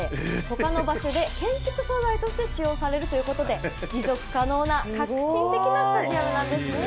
ほかの場所で建築素材として使用されるということで持続可能な革新的なスタジアムなんですね。